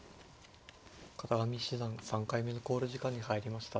片上七段３回目の考慮時間に入りました。